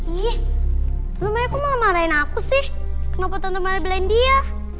ih tante maya kok malah marahin aku sih kenapa tante maya belain dia